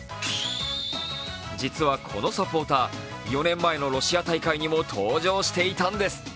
実はこのサポーター、４年前のロシア大会にも登場していたんです。